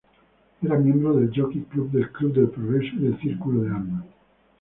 Era miembro del Jockey Club, del Club del Progreso y del Círculo de Armas.